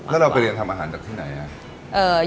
แล้วเราไปเรียนทำอาหารจากที่ไหนครับ